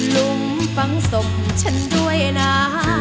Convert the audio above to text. ลุงฟังศพฉันด้วยนะ